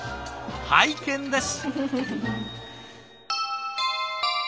拝見です！